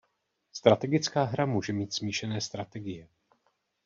Strategická hra může mít smíšené strategie.